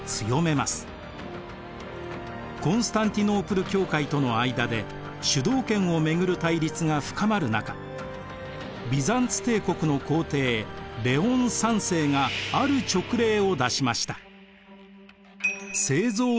コンスタンティノープル教会との間で主導権を巡る対立が深まる中ビザンツ帝国の皇帝レオン３世がある勅令を出しました。